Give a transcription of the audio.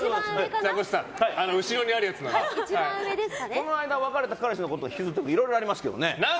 この間別れた彼氏のこと引きずってるっぽいとかいろいろありますけどね。